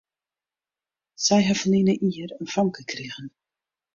Sy ha ferline jier in famke krigen.